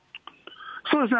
そうですね。